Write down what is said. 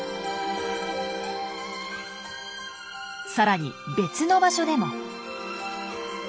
さらに別の場所でも。